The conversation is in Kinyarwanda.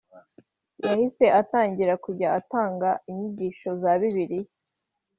yahise atangira kujya atanga inyigisho za bibiliya